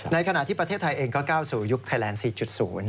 ขณะที่ประเทศไทยเองก็ก้าวสู่ยุคไทยแลนด์๔๐